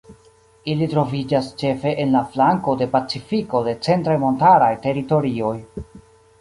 Ili troviĝas ĉefe en la flanko de Pacifiko de centraj montaraj teritorioj.